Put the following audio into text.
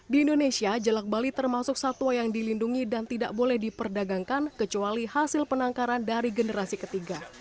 di indonesia jelak bali termasuk satwa yang dilindungi dan tidak boleh diperdagangkan kecuali hasil penangkaran dari generasi ketiga